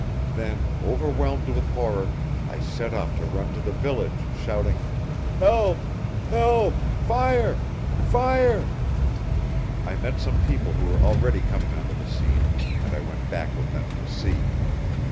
Then, overwhelmed with horror, I set off to run to the village, shouting: "Help! help! fire! fire!" I met some people who were already coming onto the scene, and I went back with them to see!